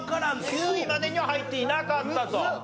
９位までには入っていなかったと。